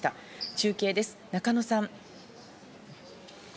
中継です、中野さん。